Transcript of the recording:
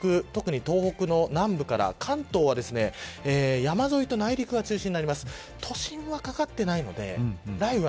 内陸、特に東北の南部から関東は山沿いと内陸が中心になります。